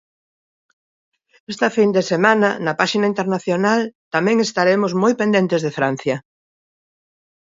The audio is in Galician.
Esta fin de semana, na páxina internacional, tamén estaremos moi pendente de Francia.